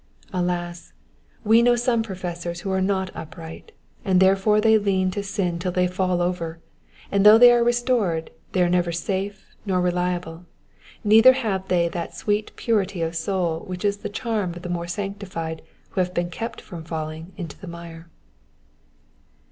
Alas, we know some professors who are not upright, and therefore they lean to sin till they fall over, and though they are restored they are never safe or reliable, neither have they that sweet purity of soul which is the charm of the more sanctified who have been kept from falling into th^ mire.